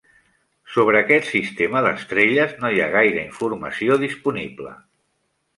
Sobre aquesta sistema d'estrelles, no hi ha gaire informació disponible.